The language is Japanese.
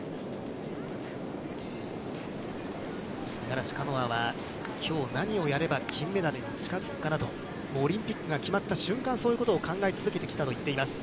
五十嵐カノアはきょう何をやれば金メダルに近づくかなと、オリンピックが決まった瞬間、そういうことを考え続けてきたと言っています。